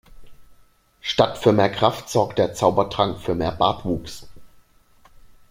Statt für mehr Kraft sorgte der Zaubertrank für mehr Bartwuchs.